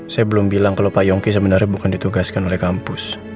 saya belum bilang kalau pak yongki sebenarnya bukan ditugaskan oleh kampus